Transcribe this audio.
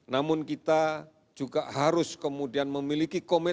namun kita juga harus kemudian memiliki komitmen